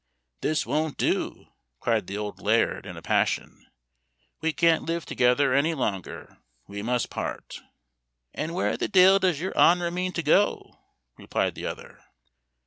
"This won't do!" cried the old laird, in a passion, "we can't live together any longer we must part." "An' where the deil does your honor mean to go?" replied the other.